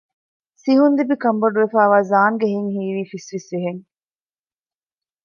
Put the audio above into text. ސިހުންލިބި ކަންބޮޑުވެފައިވާ ޒާންގެ ހިތް ހީވީ ފިސްފިސްވިހެން